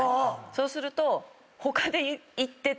そうすると。